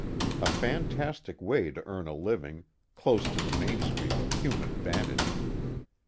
A fantastic way to earn a living, close to the mainstream of human vanity.